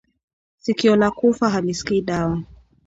Sikio Ia kufa halisikii dawa